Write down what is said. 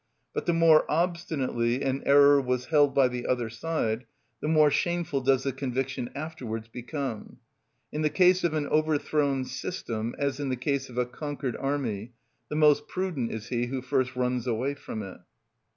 But the more obstinately an error was held by the other side, the more shameful does the conviction afterwards become. In the case of an overthrown system, as in the case of a conquered army, the most prudent is he who first runs away from it.